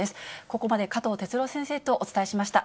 ここまで加藤哲朗先生とお伝えしました。